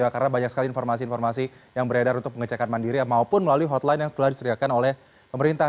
karena banyak sekali informasi informasi yang beredar untuk pengecekan mandiri maupun melalui hotline yang setelah disediakan oleh pemerintah